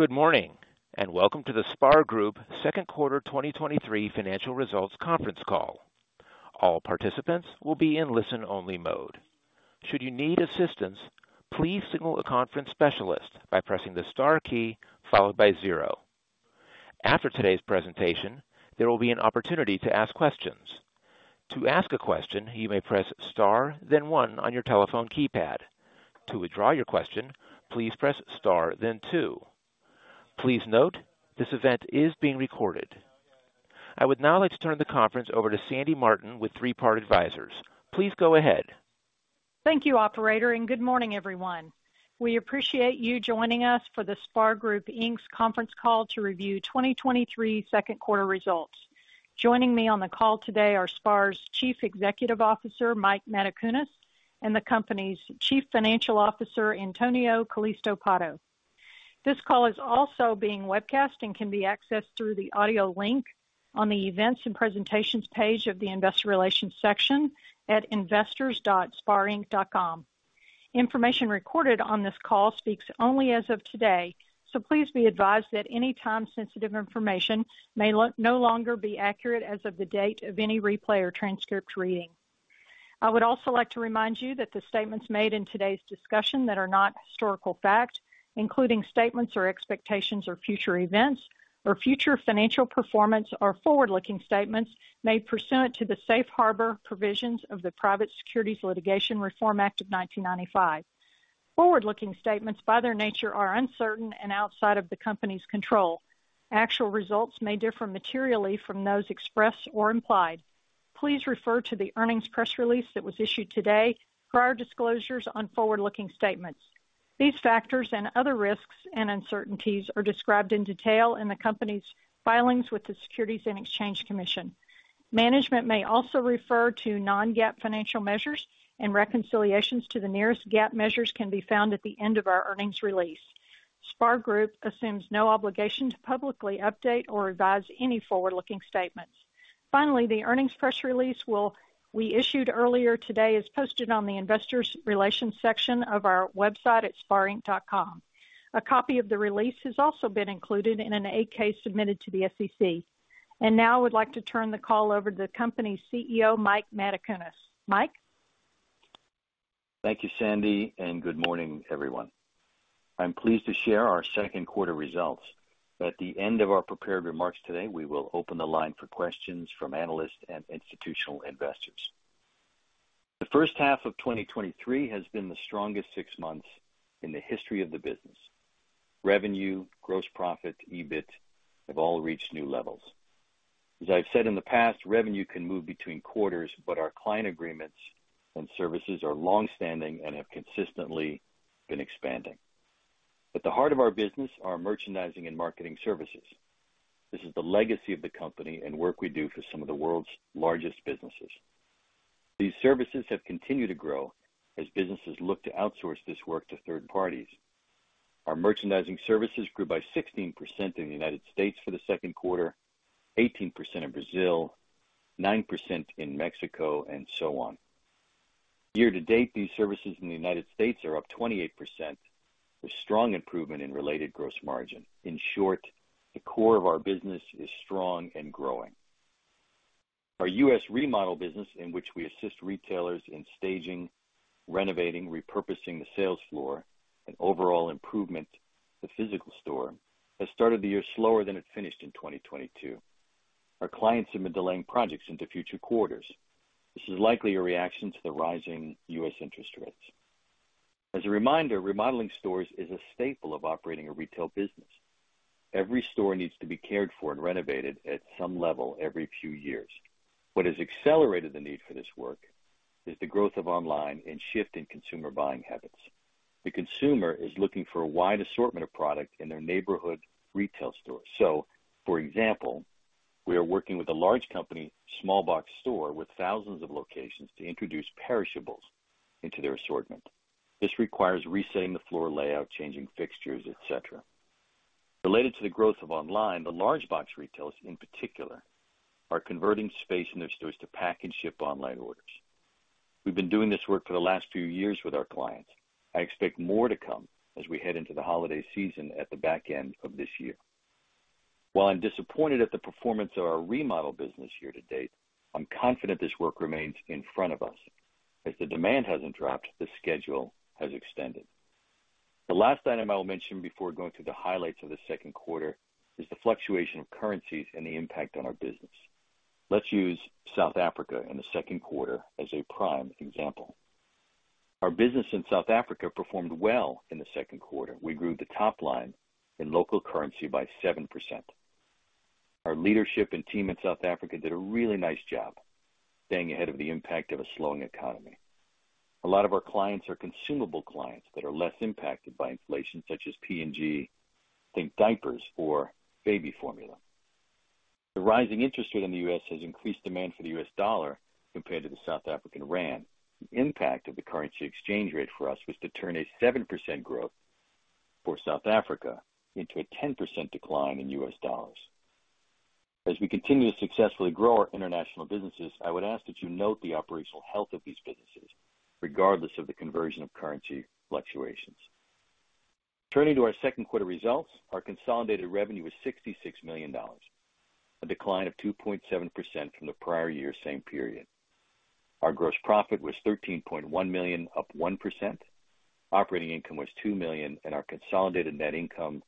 Good morning, welcome to the SPAR Group second quarter 2023 financial results conference call. All participants will be in listen-only mode. Should you need assistance, please signal a conference specialist by pressing the star key followed by 0. After today's presentation, there will be an opportunity to ask questions. To ask a question, you may press star then 1 on your telephone keypad. To withdraw your question, please press star then 2. Please note, this event is being recorded. I would now like to turn the conference over to Sandy Martin with Three Part Advisors. Please go ahead. Thank you, operator, and good morning, everyone. We appreciate you joining us for the SPAR Group, Inc.'s conference call to review 2023 second quarter results. Joining me on the call today are SPAR's Chief Executive Officer, Mike Matacunas, and the company's Chief Financial Officer, Antonio Calisto Pato. This call is also being webcast and can be accessed through the audio link on the Events and Presentations page of the Investor Relations section at investors.sparinc.com. Information recorded on this call speaks only as of today, so please be advised that any time-sensitive information may no longer be accurate as of the date of any replay or transcript reading. I would also like to remind you that the statements made in today's discussion that are not historical fact, including statements or expectations or future events or future financial performance or forward-looking statements made pursuant to the safe harbor provisions of the Private Securities Litigation Reform Act of 1995. Forward-looking statements, by their nature, are uncertain and outside of the company's control. Actual results may differ materially from those expressed or implied. Please refer to the earnings press release that was issued today for our disclosures on forward-looking statements. These factors and other risks and uncertainties are described in detail in the company's filings with the Securities and Exchange Commission. Management may also refer to non-GAAP financial measures, and reconciliations to the nearest GAAP measures can be found at the end of our earnings release. SPAR Group assumes no obligation to publicly update or revise any forward-looking statements. Finally, the earnings press release we issued earlier today is posted on the Investor Relations section of our website at sparinc.com. A copy of the release has also been included in an 8-K submitted to the SEC. Now I would like to turn the call over to the company's CEO, Mike Matacunas. Mike? Thank you, Sandy. Good morning, everyone. I'm pleased to share our second quarter results. At the end of our prepared remarks today, we will open the line for questions from analysts and institutional investors. The first half of 2023 has been the strongest six months in the history of the business. Revenue, gross profit, EBIT have all reached new levels. As I've said in the past, revenue can move between quarters, but our client agreements and services are longstanding and have consistently been expanding. At the heart of our business are our merchandising and marketing services. This is the legacy of the company and work we do for some of the world's largest businesses. These services have continued to grow as businesses look to outsource this work to third parties. Our merchandising services grew by 16% in the U.S. for the second quarter, 18% in Brazil, 9% in Mexico, and so on. Year to date, these services in the U.S. are up 28%, with strong improvement in related gross margin. In short, the core of our business is strong and growing. Our U.S. remodel business, in which we assist retailers in staging, renovating, repurposing the sales floor and overall improvement to the physical store, has started the year slower than it finished in 2022. Our clients have been delaying projects into future quarters. This is likely a reaction to the rising U.S. interest rates. As a reminder, remodeling stores is a staple of operating a retail business. Every store needs to be cared for and renovated at some level every few years. What has accelerated the need for this work is the growth of online and shift in consumer buying habits. The consumer is looking for a wide assortment of product in their neighborhood retail store. For example, we are working with a large company, small box store, with thousands of locations to introduce perishables into their assortment. This requires resetting the floor layout, changing fixtures, et cetera. Related to the growth of online, the large box retailers in particular, are converting space in their stores to pack and ship online orders. We've been doing this work for the last few years with our clients. I expect more to come as we head into the holiday season at the back end of this year. While I'm disappointed at the performance of our remodel business year to date, I'm confident this work remains in front of us. As the demand hasn't dropped, the schedule has extended. The last item I will mention before going through the highlights of the second quarter is the fluctuation of currencies and the impact on our business. Let's use South Africa in the second quarter as a prime example. Our business in South Africa performed well in the second quarter. We grew the top line in local currency by 7%. Our leadership and team in South Africa did a really nice job staying ahead of the impact of a slowing economy. A lot of our clients are consumable clients that are less impacted by inflation, such as P&G, think diapers or baby formula. The rising interest rate in the U.S. has increased demand for the U.S. dollar compared to the South African Rand. The impact of the currency exchange rate for us was to turn a 7% growth for South Africa into a 10% decline in US dollars. As we continue to successfully grow our international businesses, I would ask that you note the operational health of these businesses, regardless of the conversion of currency fluctuations. Turning to our second quarter results, our consolidated revenue was $66 million, a decline of 2.7% from the prior year same period. Our gross profit was $13.1 million, up 1%. Operating income was $2 million, and our consolidated net income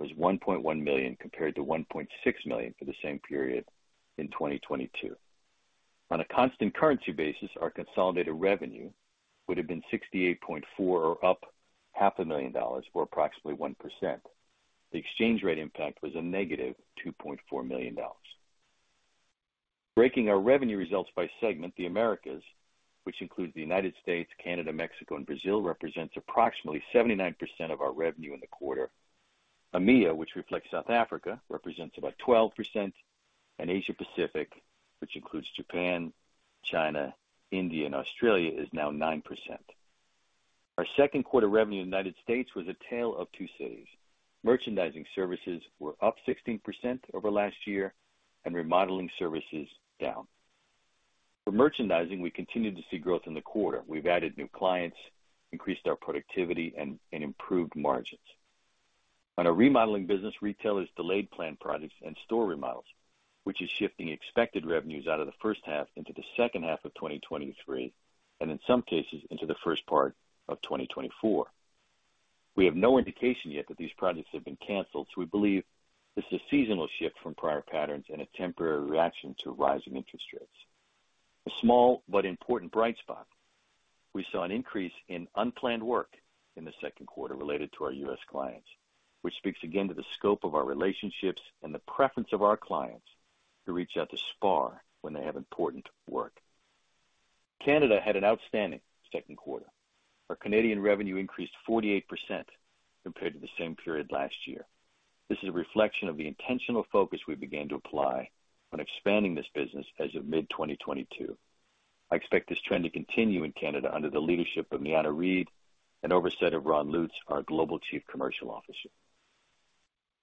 was $1.1 million, compared to $1.6 million for the same period in 2022. On a constant currency basis, our consolidated revenue would have been $68.4, or up $500,000, or approximately 1%. The exchange rate impact was a negative $2.4 million. Breaking our revenue results by segment, the Americas, which includes the United States, Canada, Mexico, and Brazil, represents approximately 79% of our revenue in the quarter. EMEA, which reflects South Africa, represents about 12%. Asia Pacific, which includes Japan, China, India, and Australia, is now 9%. Our second quarter revenue in the United States was a tale of two cities. Merchandising services were up 16% over last year. Remodeling services down. For merchandising, we continued to see growth in the quarter. We've added new clients, increased our productivity, and improved margins. On a remodeling business, retailers delayed planned projects and store remodels, which is shifting expected revenues out of the first half into the second half of 2023, and in some cases, into the first part of 2024. We have no indication yet that these projects have been canceled, so we believe this is a seasonal shift from prior patterns and a temporary reaction to rising interest rates. A small but important bright spot, we saw an increase in unplanned work in the second quarter related to our U.S. clients, which speaks again to the scope of our relationships and the preference of our clients to reach out to SPAR when they have important work. Canada had an outstanding second quarter. Our Canadian revenue increased 48% compared to the same period last year. This is a reflection of the intentional focus we began to apply on expanding this business as of mid-2022. I expect this trend to continue in Canada under the leadership of Niana Reid and oversight of Ron Lutz, our Global Chief Commercial Officer.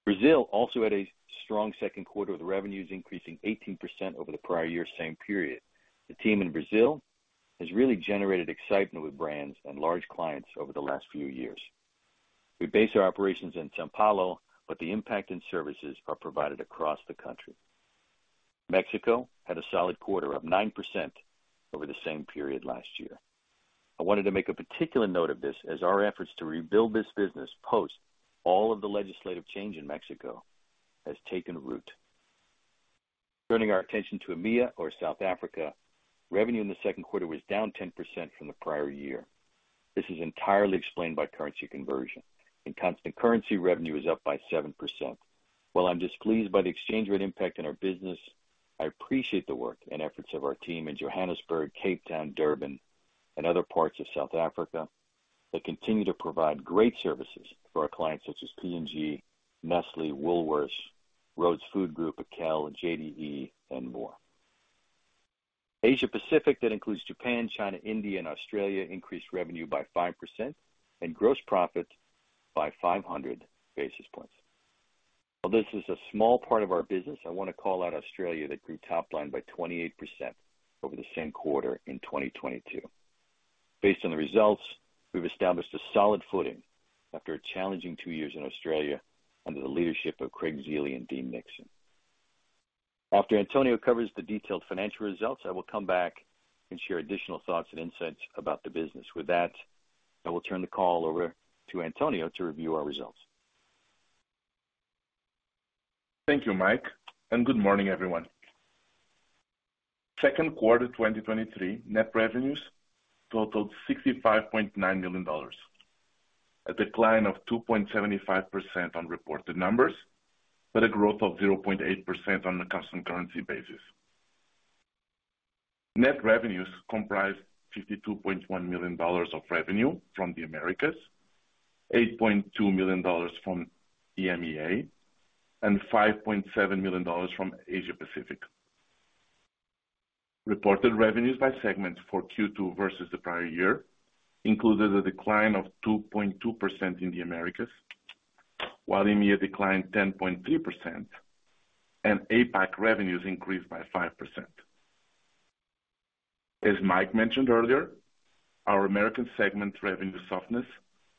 Brazil also had a strong second quarter, with revenues increasing 18% over the prior year same period. The team in Brazil has really generated excitement with brands and large clients over the last few years. We base our operations in São Paulo, but the impact and services are provided across the country. Mexico had a solid quarter, up 9% over the same period last year. I wanted to make a particular note of this as our efforts to rebuild this business, post all of the legislative change in Mexico, has taken root. Turning our attention to EMEA or South Africa, revenue in the second quarter was down 10% from the prior year. This is entirely explained by currency conversion. In constant currency, revenue is up by 7%. While I'm displeased by the exchange rate impact in our business, I appreciate the work and efforts of our team in Johannesburg, Cape Town, Durban, and other parts of South Africa that continue to provide great services for our clients such as P&G, Nestlé, Woolworths, Rhodes Food Group, Akel, JDE, and more. Asia Pacific, that includes Japan, China, India, and Australia, increased revenue by 5% and gross profit by 500 basis points. While this is a small part of our business, I want to call out Australia, that grew top line by 28% over the same quarter in 2022. Based on the results, we've established a solid footing after a challenging 2 years in Australia under the leadership of Craig Zeelie and Dean Nixon. After Antonio covers the detailed financial results, I will come back and share additional thoughts and insights about the business. With that, I will turn the call over to Antonio to review our results. Thank you, Mike, and good morning, everyone. Second quarter 2023 net revenues totaled $65.9 million, a decline of 2.75% on reported numbers, a growth of 0.8% on a constant currency basis. Net revenues comprised $52.1 million of revenue from the Americas, $8.2 million from EMEA, and $5.7 million from Asia Pacific. Reported revenues by segments for Q2 versus the prior year included a decline of 2.2% in the Americas, while EMEA declined 10.3% and APAC revenues increased by 5%. As Mike mentioned earlier, our Americas segment revenue softness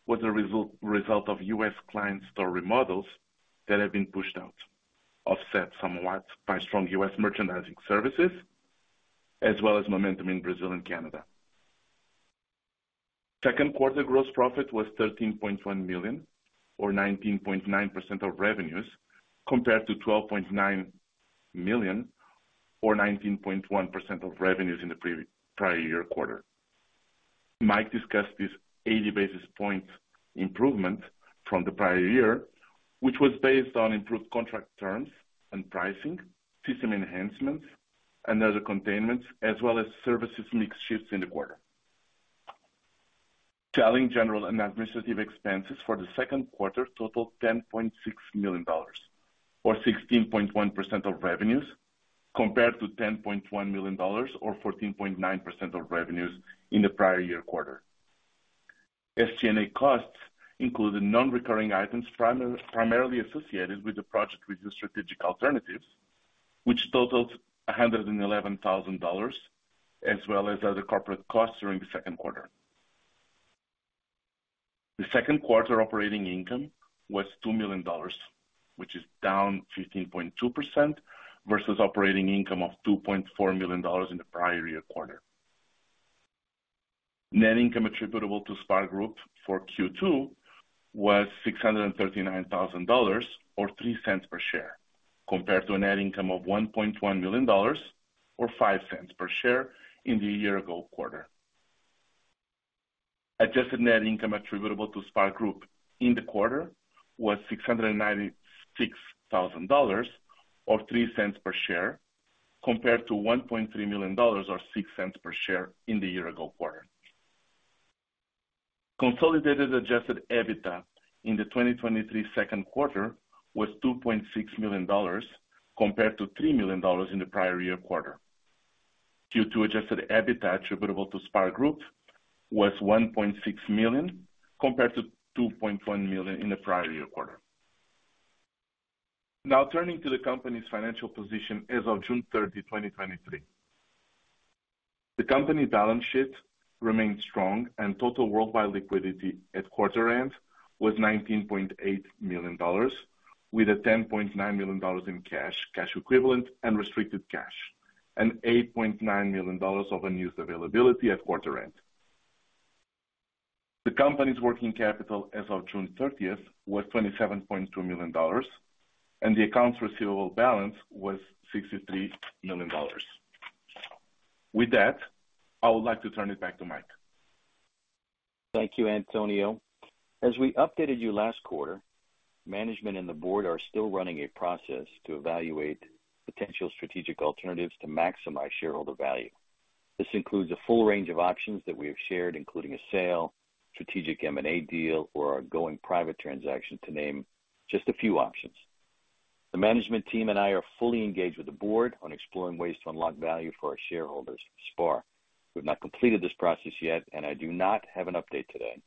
was a result of U.S. client store remodels that have been pushed out, offset somewhat by strong U.S. merchandising services, as well as momentum in Brazil and Canada. Second quarter gross profit was $13.1 million, or 19.9% of revenues, compared to $12.9 million, or 19.1% of revenues in the prior year quarter. Mike discussed this 80 basis points improvement from the prior year, which was based on improved contract terms and pricing, system enhancements, and other containments, as well as services mix shifts in the quarter. Selling, general, and administrative expenses for the second quarter totaled $10.6 million, or 16.1% of revenues, compared to $10.1 million, or 14.9% of revenues in the prior year quarter. SG&A costs included non-recurring items primarily associated with the project with the strategic alternatives, which totaled $111,000, as well as other corporate costs during the second quarter. The second quarter operating income was $2 million, which is down 15.2% versus operating income of $2.4 million in the prior year quarter. Net income attributable to SPAR Group for Q2 was $639,000 or $0.03 per share, compared to a net income of $1.1 million, or $0.05 per share in the year ago quarter. Adjusted net income attributable to SPAR Group in the quarter was $696,000 or $0.03 per share, compared to $1.3 million or $0.06 per share in the year ago quarter. Consolidated adjusted EBITDA in the 2023 second quarter was $2.6 million, compared to $3 million in the prior year quarter. Q2 adjusted EBITDA attributable to SPAR Group was $1.6 million, compared to $2.1 million in the prior year quarter. Now turning to the company's financial position as of June 30, 2023. The company balance sheet remains strong and total worldwide liquidity at quarter end was $19.8 million, with $10.9 million in cash, cash equivalent and restricted cash, and $8.9 million of unused availability at quarter end. The company's working capital as of June 30th was $27.2 million, and the accounts receivable balance was $63 million. With that, I would like to turn it back to Mike. Thank you, Antonio. As we updated you last quarter, management and the board are still running a process to evaluate potential strategic alternatives to maximize shareholder value. This includes a full range of options that we have shared, including a sale, strategic M&A deal, or a going private transaction, to name just a few options. The management team and I are fully engaged with the board on exploring ways to unlock value for our shareholders. SPAR. We've not completed this process yet, and I do not have an update today,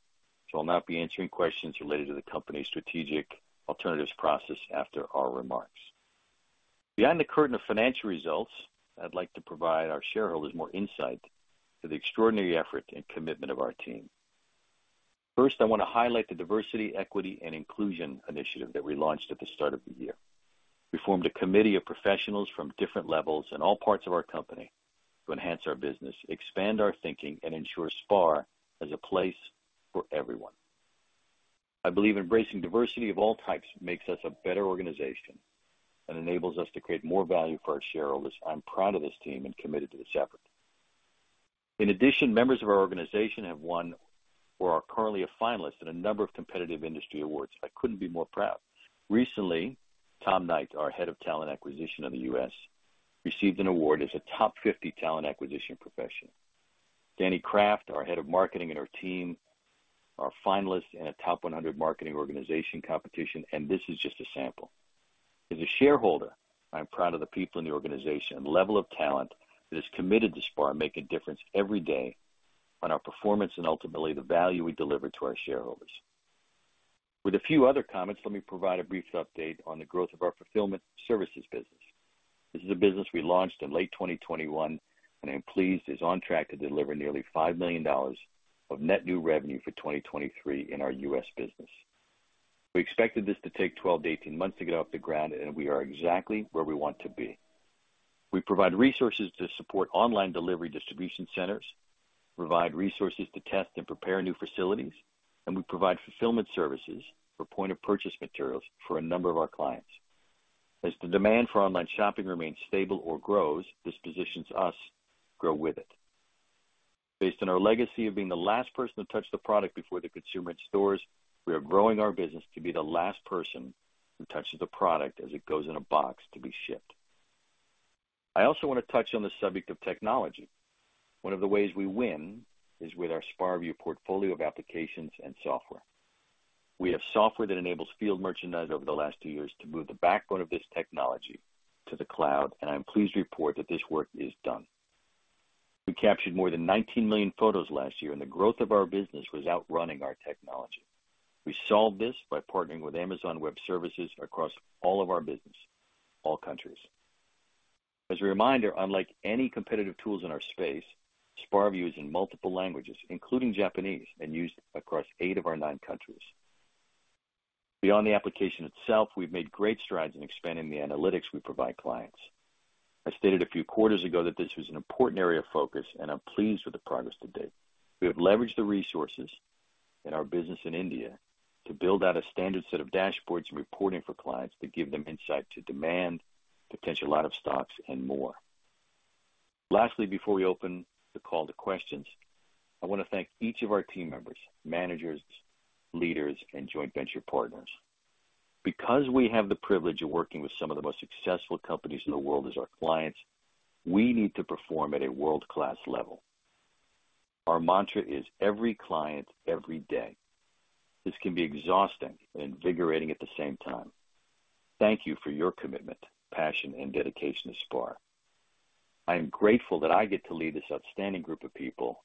so I'll not be answering questions related to the company's strategic alternatives process after our remarks. Behind the curtain of financial results, I'd like to provide our shareholders more insight to the extraordinary effort and commitment of our team. First, I want to highlight the Diversity, Equity and Inclusion initiative that we launched at the start of the year. We formed a committee of professionals from different levels in all parts of our company to enhance our business, expand our thinking, and ensure SPAR is a place for everyone. I believe embracing diversity of all types makes us a better organization and enables us to create more value for our shareholders. I'm proud of this team and committed to this effort. Members of our organization have won or are currently a finalist in a number of competitive industry awards. I couldn't be more proud. Recently, Tom Knight, our Head of Talent Acquisition in the U.S., received an award as a top 50 talent acquisition professional. Dani Craft, our Head of Marketing, and our team are finalists in a top 100 marketing organization competition. This is just a sample. As a shareholder, I'm proud of the people in the organization and the level of talent that is committed to SPAR and make a difference every day on our performance and ultimately the value we deliver to our shareholders. With a few other comments, let me provide a brief update on the growth of our fulfillment services business. This is a business we launched in late 2021, and I'm pleased it's on track to deliver nearly $5 million of net new revenue for 2023 in our U.S. business. We expected this to take 12 to 18 months to get off the ground, and we are exactly where we want to be. We provide resources to support online delivery distribution centers, provide resources to test and prepare new facilities, and we provide fulfillment services for point of purchase materials for a number of our clients. As the demand for online shopping remains stable or grows, this positions us to grow with it. Based on our legacy of being the last person to touch the product before the consumer in stores, we are growing our business to be the last person who touches the product as it goes in a box to be shipped. I also want to touch on the subject of technology. One of the ways we win is with our SPAR View portfolio of applications and software. We have software that enables field merchandise over the last two years to move the backbone of this technology to the cloud, and I'm pleased to report that this work is done. We captured more than 19 million photos last year, and the growth of our business was outrunning our technology. We solved this by partnering with Amazon Web Services across all of our business, all countries. As a reminder, unlike any competitive tools in our space, SPAR View is in multiple languages, including Japanese, and used across 8 of our 9 countries. Beyond the application itself, we've made great strides in expanding the analytics we provide clients. I stated a few quarters ago that this was an important area of focus, and I'm pleased with the progress to date. We have leveraged the resources in our business in India to build out a standard set of dashboards and reporting for clients that give them insight to demand, potential out of stocks, and more. Lastly, before we open the call to questions, I want to thank each of our team members, managers, leaders, and joint venture partners. Because we have the privilege of working with some of the most successful companies in the world as our clients, we need to perform at a world-class level. Our mantra is: Every client, every day.... This can be exhausting and invigorating at the same time. Thank you for your commitment, passion, and dedication to SPAR. I am grateful that I get to lead this outstanding group of people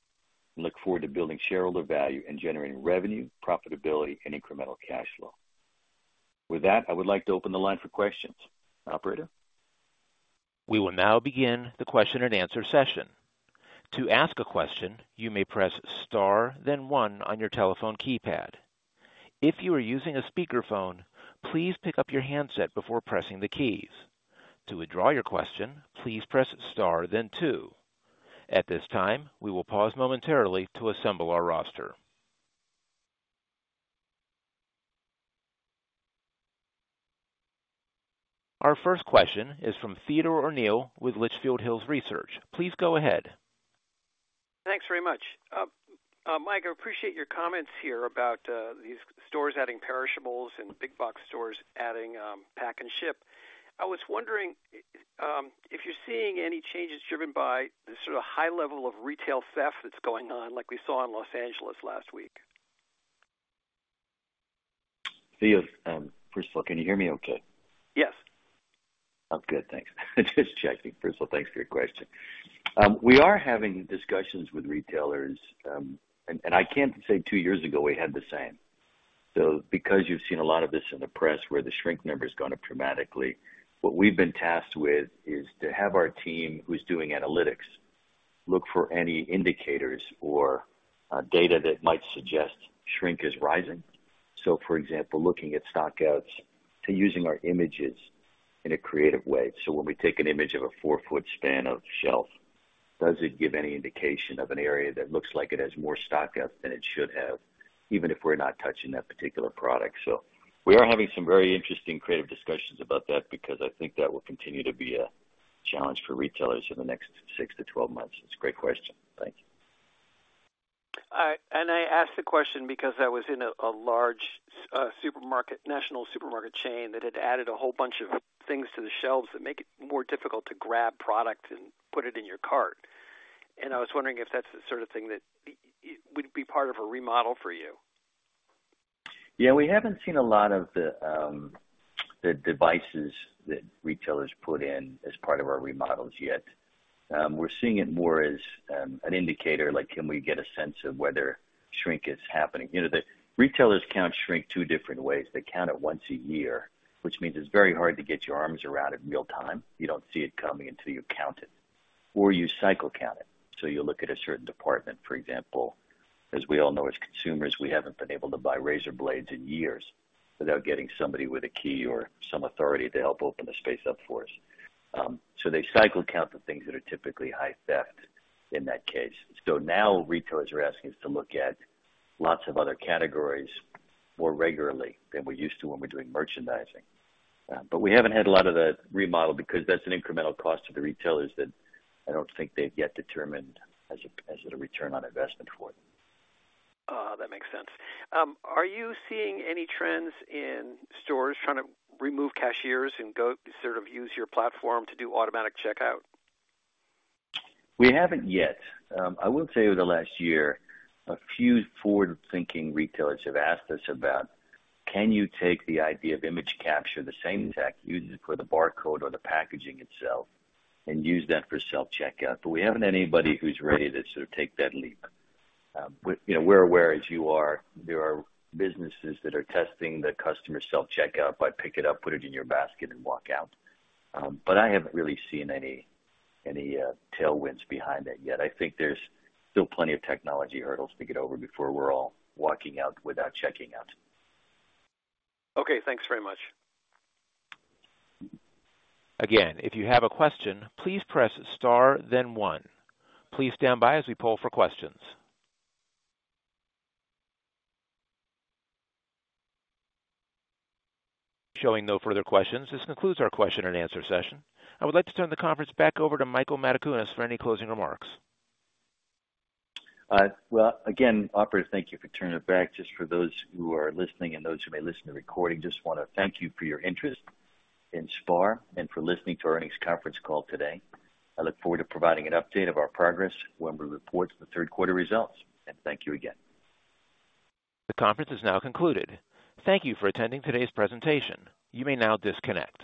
and look forward to building shareholder value and generating revenue, profitability, and incremental cash flow. With that, I would like to open the line for questions. Operator? We will now begin the question and answer session. To ask a question, you may press Star, then one on your telephone keypad. If you are using a speakerphone, please pick up your handset before pressing the keys. To withdraw your question, please press Star then two. At this time, we will pause momentarily to assemble our roster. Our first question is from Theodore O'Neill with Litchfield Hills Research. Please go ahead. Thanks very much. Mike, I appreciate your comments here about these stores adding perishables and big box stores adding pack and ship. I was wondering if you're seeing any changes driven by the sort of high level of retail theft that's going on, like we saw in Los Angeles last week? Theo, first of all, can you hear me okay? Yes. Oh, good. Thanks. Just checking. First of all, thanks for your question. We are having discussions with retailers, and, and I can't say 2 years ago we had the same. Because you've seen a lot of this in the press where the shrink number has gone up dramatically, what we've been tasked with is to have our team who's doing analytics, look for any indicators or data that might suggest shrink is rising. For example, looking at stockouts, to using our images in a creative way. When we take an image of a 4-foot span of shelf, does it give any indication of an area that looks like it has more stockout than it should have, even if we're not touching that particular product? We are having some very interesting creative discussions about that because I think that will continue to be a challenge for retailers in the next six to 12 months. It's a great question. Thank you. I asked the question because I was in a, a large supermarket, national supermarket chain that had added a whole bunch of things to the shelves that make it more difficult to grab product and put it in your cart. I was wondering if that's the sort of thing that would be part of a remodel for you? Yeah, we haven't seen a lot of the devices that retailers put in as part of our remodels yet. We're seeing it more as an indicator, like, can we get a sense of whether shrink is happening? You know, the retailers count shrink two different ways. They count it once a year, which means it's very hard to get your arms around it in real time. You don't see it coming until you count it, or you cycle count it. You look at a certain department, for example, as we all know, as consumers, we haven't been able to buy razor blades in years without getting somebody with a key or some authority to help open the space up for us. They cycle count the things that are typically high theft in that case. Now retailers are asking us to look at lots of other categories more regularly than we're used to when we're doing merchandising. We haven't had a lot of the remodel because that's an incremental cost to the retailers that I don't think they've yet determined as a, as a return on investment for them. That makes sense. Are you seeing any trends in stores trying to remove cashiers and go to use your platform to do automatic checkout? We haven't yet. I will say over the last year, a few forward-thinking retailers have asked us about, "Can you take the idea of image capture, the same tech, use it for the barcode or the packaging itself and use that for self-checkout?" We haven't anybody who's ready to sort of take that leap. You know, we're aware, as you are, there are businesses that are testing the customer self-checkout by pick it up, put it in your basket, and walk out. I haven't really seen any, any tailwinds behind that yet. I think there's still plenty of technology hurdles to get over before we're all walking out without checking out. Okay, thanks very much. Again, if you have a question, please press Star, then one. Please stand by as we poll for questions. Showing no further questions, this concludes our question and answer session. I would like to turn the conference back over to Michael Matacunas for any closing remarks. Well, again, Operator, thank you for turning it back. Just for those who are listening and those who may listen to recording, just wanna thank you for your interest in SPAR and for listening to our earnings conference call today. I look forward to providing an update of our progress when we report the third quarter results, and thank you again. The conference is now concluded. Thank you for attending today's presentation. You may now disconnect.